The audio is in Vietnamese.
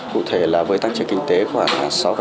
cụ thể là với tăng trưởng kinh tế khoảng sáu